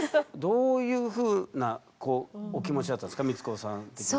どういうふうなお気持ちだったんですか光子さん的には。